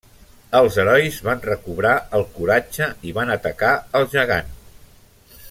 Els herois van recobrar el coratge i van atacar el gegant.